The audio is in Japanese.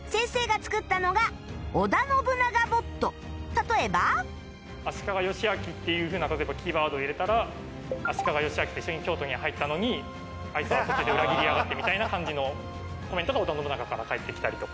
例えば「足利義昭」っていうふうな例えばキーワードを入れたら足利義昭って一緒に京都に入ったのにあいつは途中で裏切りやがってみたいな感じのコメントが織田信長から帰ってきたりとか。